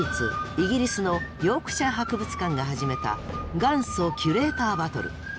イギリスのヨークシャー博物館が始めた元祖キュレーターバトル。